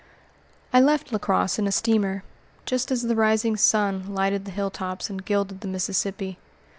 I left La Crosse in a steamer, just as the rising sun lighted the hilltops and gilded the Mississippi.